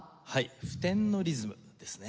付点のリズムですね。